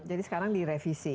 jadi sekarang direvisi